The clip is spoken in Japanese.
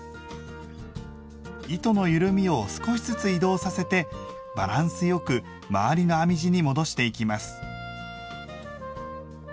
糸のゆるみを少しずつ移動させてバランスよく周りの編み地に戻していきます。